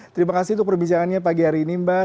terima kasih untuk perbicaraannya pagi hari ini mbak